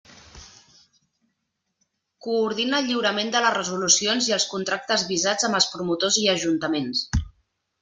Coordina el lliurament de les resolucions i els contractes visats amb els promotors i ajuntaments.